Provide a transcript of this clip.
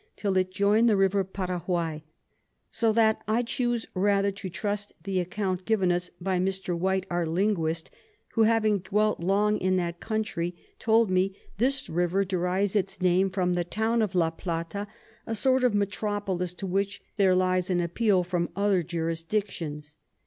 till it join the River Paraguay. So that I chuse rather to trust to the Account given us by Mr. White our Linguist, who having dwelt long in that Country, told me this River derives its Name from the Town of La Plata, a sort of Metropolis to which there lies an Appeal from other Jurisdictions.